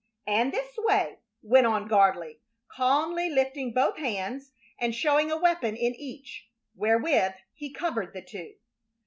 "And this way," went on Gardley, calmly lifting both hands and showing a weapon in each, wherewith he covered the two.